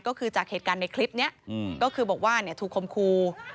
ก็คือจากเหตุการณ์ในคลิปนี้ก็คือบอกว่าถูกคมครู